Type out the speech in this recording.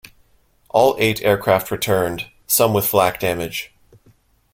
All eight aircraft returned, some with flak damage.